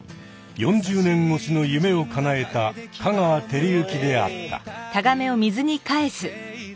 ４０年ごしの夢をかなえた香川照之であった。